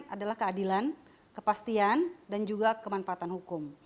adalah keadilan kepastian dan juga kemanfaatan hukum